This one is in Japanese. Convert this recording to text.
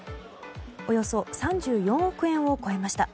およそ３４億円を超えました。